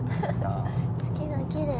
月がきれい。